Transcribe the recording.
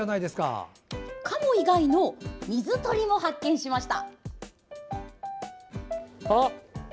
カモ以外の水鳥も発見しました。